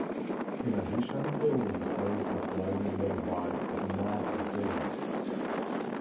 In addition there was a slave uprising led by Demark Vesey.